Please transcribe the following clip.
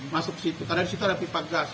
masuk situ karena di situ ada pipa gas